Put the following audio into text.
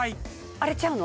あれちゃうの？